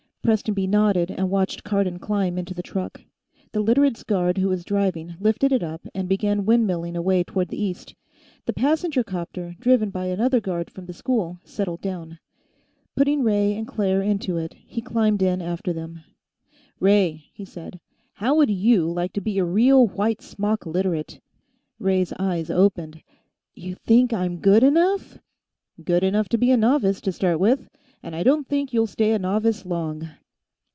Prestonby nodded and watched Cardon climb into the truck. The Literates' guard who was driving lifted it up and began windmilling away toward the east. The passenger 'copter, driven by another guard from the school, settled down. Putting Ray and Claire into it, he climbed in after them. "Ray," he said, "how would you like to be a real white smock Literate?" Ray's eyes opened. "You think I'm good enough?" "Good enough to be a novice, to start with. And I don't think you'll stay a novice long."